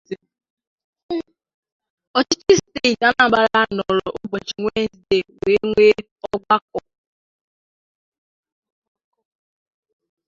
Ọchịchị steeti Anambra nọrọ ụbọchị Wenezdee wee nwee ọgbakọ